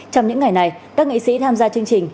trong những ngày này các nghệ sĩ tham gia chương trình